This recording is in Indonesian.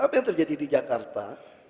apa yang terjadi di jakarta